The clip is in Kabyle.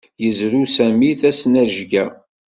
Yezrew Sami tasnajya.